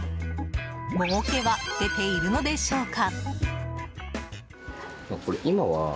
もうけは出ているのでしょうか？